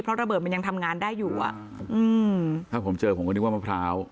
เพราะระเบิดมันยังทำงานได้อยู่อ่ะอืมถ้าผมเจอผมก็นึกว่ามะพร้าว